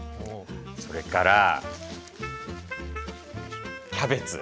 それからキャベツ。